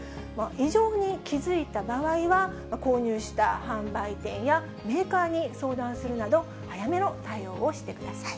異常に気付いた場合は、購入した販売店やメーカーに相談するなど、早めの対応をしてください。